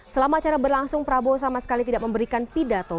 selama acara berlangsung prabowo sama sekali tidak memberikan pidato